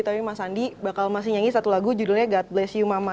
tapi mas andi bakal masih nyanyi satu lagu judulnya god bless you mama